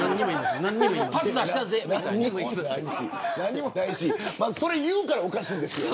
何もないし、それ言うからおかしいんですよ。